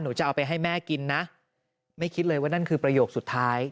จะเอาไปให้แม่กินนะไม่คิดเลยว่านั่นคือประโยคสุดท้าย